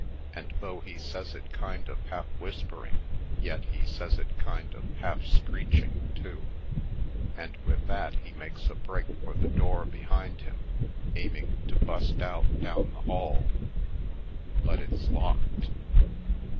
And though he says it kind of half whispering yet he says it kind of half screeching, too. And with that he makes a break for the door behind him, aiming to bust out down the hall. But it's locked.